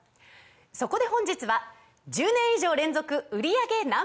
そこで本日は１０年以上連続売り上げＮｏ．１